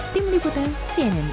tim liputan cnn indonesia